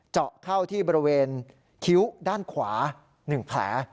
เจาะเข้าที่บริเวณคิ้วด้านขวา๑แผล